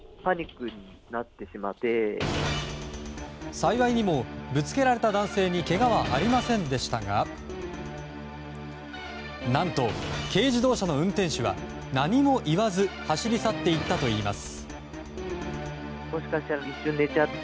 幸いにもぶつけられた男性にけがはありませんでしたが何と、軽自動車の運転手は何も言わず走り去っていったといいます。